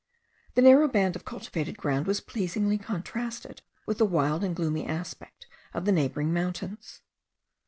The narrow band of cultivated ground was pleasingly contrasted with the wild and gloomy aspect of the neighbouring mountains.